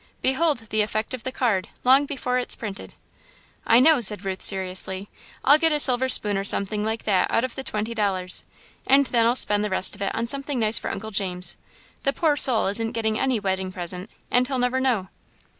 Behold the effect of the card, long before it's printed." "I know," said Ruth, seriously, "I'll get a silver spoon or something like that out of the twenty dollars, and then I'll spend the rest of it on something nice for Uncle James. The poor soul isn't getting any wedding present, and he'll never know."